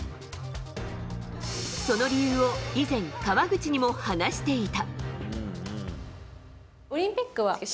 その理由を以前川口にも話していた。